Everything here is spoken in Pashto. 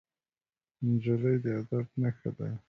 نجلۍ د ادب نښه ده.